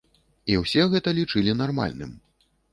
І ўсе гэта лічылі нармальным.